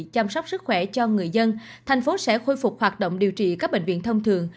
chăm sóc sức khỏe cho người dân thành phố sẽ khôi phục hoạt động điều trị các bệnh viện thông thường